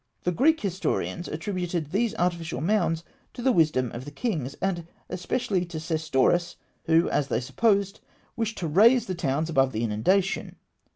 The Greek historians attributed these artificial mounds to the wisdom of the kings, and especially to Sesostris, who, as they supposed, wished to raise the towns above the inundation.